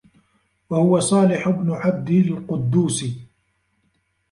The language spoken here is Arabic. وَهُوَ صَالِحُ بْنُ عَبْدِ الْقُدُّوسِ